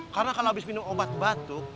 karena kalau habis minum obat batuk